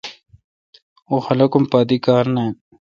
اوں خلقم پا دی کار نان۔